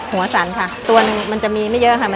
สั่นค่ะตัวหนึ่งมันจะมีไม่เยอะค่ะ